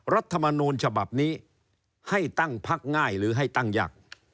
รัฐมนูลฉบับนี้ให้ตั้งพักง่ายหรือให้ตั้งยาก